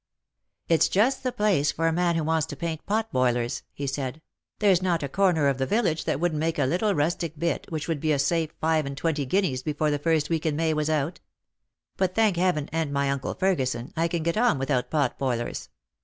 " It's just the place for a man who wants to paint pot boilers," he said. " There's not a corner of the village that wouldn't make a little rustic bit which would be a safe five and twenty guineas before the first week in May was out. But, thank Heaven and my uncle Ferguson, I can get on without pot boilers.